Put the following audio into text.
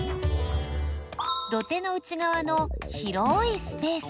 土手の内がわの広いスペース。